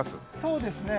そうですね。